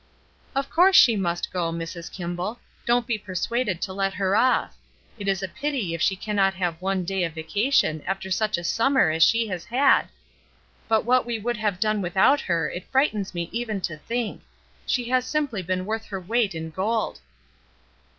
"Of course she must go, Mrs. Kimball; don't be persuaded to let her off. It is a pity if she cannot have one day of vacation after such a summer as she has had ! But what we would have done without her it frightens me even to think; she has simply been worth her weight in gold."